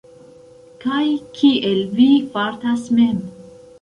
Kaj kiel vi fartas mem?